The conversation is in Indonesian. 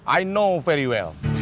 aku tahu sangat well